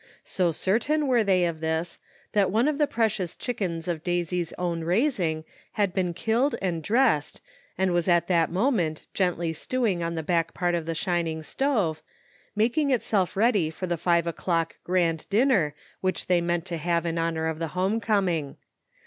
So cer tain were they of this, that one of the precious chickens of Daisy's own raising, had been killed and dressed, and was at that moment gently stewing on the back part of the shining stove, making itself ready for the five o'clock grand dinner which they meant to have in honor of the home coming.